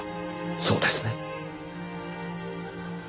そうですね？